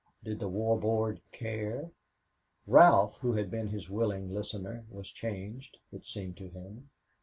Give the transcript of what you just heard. Did the War Board care? Ralph, who had been his willing listener, was changed, it seemed to him.